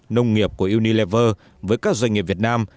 nông nghiệp của unilever với các doanh nghiệp việt nam